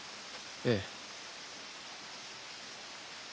ええ。